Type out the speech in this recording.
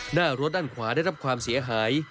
หน้ารถด้านขวาได้รับความเสียหาย